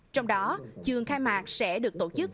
trong đó chương khai mạc sẽ được tổ chức